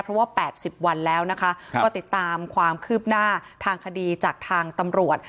เพราะว่า๘๐วันแล้วนะคะก็ติดตามความคืบหน้าทางคดีจากทางตำรวจ